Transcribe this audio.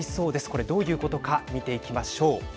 これどういうことか見ていきましょう。